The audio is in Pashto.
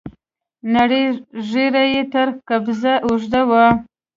نرۍ ږيره يې تر قبضه اوږده وه.